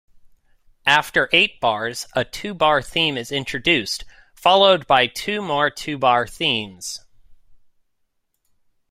After eight bars, a two-bar theme is introduced, followed by two more two-bar themes.